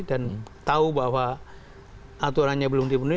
dan tahu bahwa aturannya belum dibunuh